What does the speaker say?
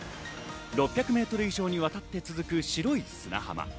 ６００メートル以上にわたって続く白い砂浜。